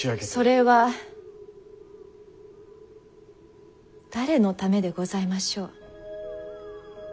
それは誰のためでございましょう？